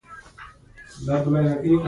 د ګاونډیانو سره ښه ژوند زموږ وجیبه ده .